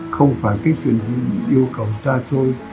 không phải cái chuyện yêu cầu xa xôi